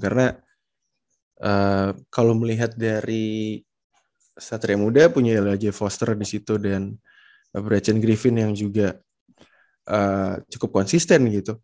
karena kalau melihat dari satria muda punya lj foster disitu dan braden griffin yang juga cukup konsisten gitu